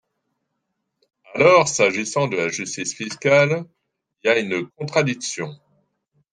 Alors, s’agissant de la justice fiscale, il y a une contradiction.